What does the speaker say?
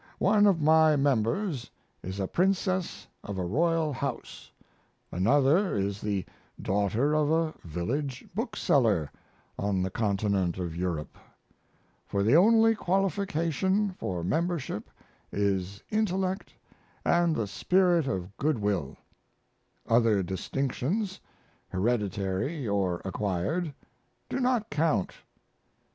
One of my members is a princess of a royal house, another is the daughter of a village bookseller on the continent of Europe, for the only qualification for membership is intellect & the spirit of good will; other distinctions, hereditary or acquired, do not count.